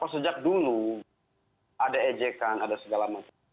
sejak dulu ada ejekan ada segala macam